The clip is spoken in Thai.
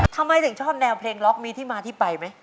ทำไมถึงชอบแนวเพลงล็อกมีที่มาที่ไปไหม